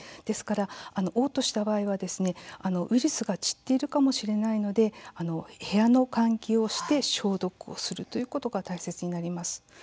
ですからおう吐した場合はウイルスが散っているかもしれないので部屋の換気をして消毒をするということが大切になります。